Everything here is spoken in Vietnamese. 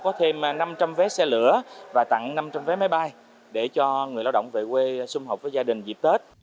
có thêm năm trăm linh vé xe lửa và tặng năm trăm linh vé máy bay để cho người lao động về quê xung hợp với gia đình dịp tết